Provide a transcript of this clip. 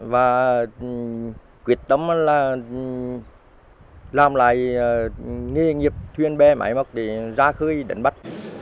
và quyết tâm là làm lại nghề nghiệp thuyền bê máy mất để ra khơi đẩn bắt